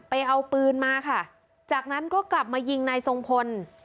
ไปเอาปืนมาค่ะจากนั้นก็กลับมายิงนายทรงพล